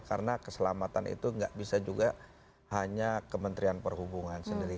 karena keselamatan itu tidak bisa juga hanya kementerian perhubungan sendiri